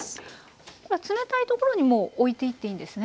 これは冷たい所にもう置いていっていいんですね。